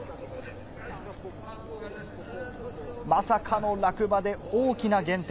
まさかの落馬で大きな減点。